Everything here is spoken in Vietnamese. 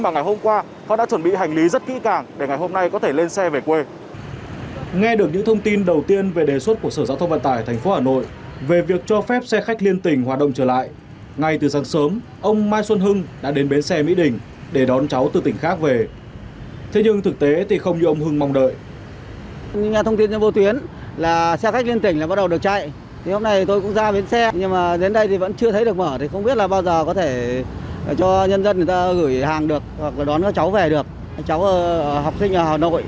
nghe được những thông tin đầu tiên về đề xuất của sở giao thông vận tải thành phố hà nội về việc cho phép xe khách liên tỉnh hoạt động trở lại ngay từ sáng sớm ông mai xuân hưng đã đến bến xe mỹ đình để đón cháu từ tỉnh khác về thế nhưng thực tế thì không như ông hưng mong đợi